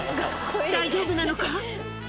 大丈夫なのか？